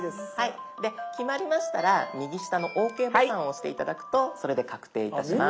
で決まりましたら右下のＯＫボタンを押して頂くとそれで確定いたします。